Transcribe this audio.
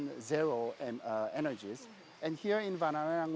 dan di vanaheerang kami juga